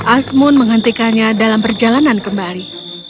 asmun menghentikannya dalam perjalanan kembali